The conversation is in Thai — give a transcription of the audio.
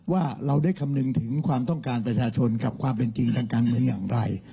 ว่าเราได้คำนึงถึงความต้องการประชาชนกับความเป็นจริงทางการเมืองอย่างไร